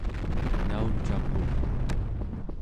naucaqun